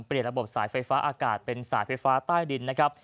ระบบสายไฟฟ้าอากาศเป็นสายไฟฟ้าใต้ดินนะครับ